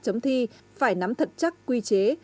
chấm thi phải nắm thật chắc quy chế